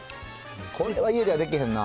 これは家ではできへんな。